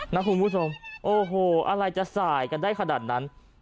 นะคุณผู้ชมโอ้โหอะไรจะสายกันได้ขนาดนั้น